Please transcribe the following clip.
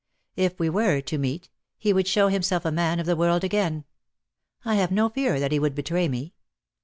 If we were to meet — he would show himself a man of the world again. I have no fear that he would betray me."